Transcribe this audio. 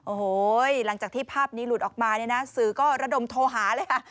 โอ้โหหลังจากที่ภาพนี้หลุดออกมาเนี่ยนะสื่อก็ระดมโทรหาเลยค่ะ